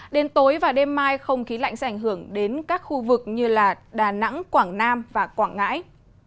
đến tối và đêm mai không khí lạnh sẽ ảnh hưởng đến các khu vực như đà nẵng quảng nam và quảng ngãi